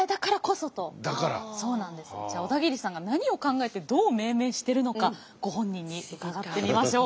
そうなんですじゃあ小田切さんが何を考えてどう命名しているのかご本人に伺ってみましょう。